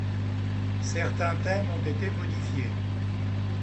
Certains thèmes ont été modifiés.